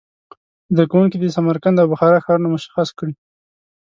زده کوونکي دې سمرقند او بخارا ښارونه مشخص کړي.